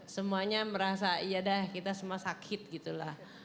semuanya merasa ya dah kita semua sakit gitu lah